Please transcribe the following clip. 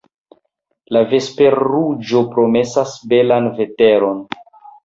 La vesperruĝo promesas belan veteron.